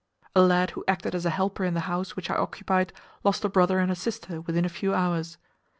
A lad who acted as a helper in the house which I occupied lost a brother and a sister within a few hours.